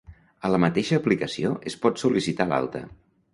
A la mateixa aplicació es pot sol·licitar l'alta.